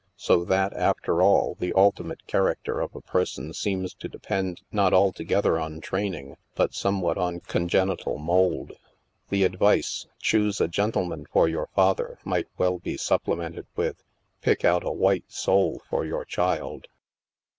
So that, after all, the ultimate character of a person seems to depend not alto gether on training, but somewhat on congenital mould. The advice, " Choose a gentleman for your father," might well be supplemented with, " Pick out a white soul for your child."